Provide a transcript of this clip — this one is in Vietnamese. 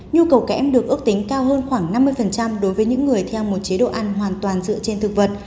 nhu cầu kẽm được ước tính cao hơn khoảng năm mươi đối với những người theo một chế độ ăn hoàn toàn dựa trên thực vật